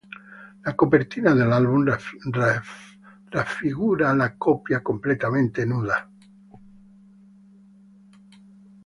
La copertina dell'album raffigura la coppia completamente nuda.